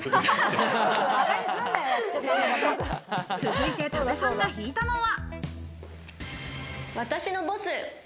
続いて、多部さんが引いたのは。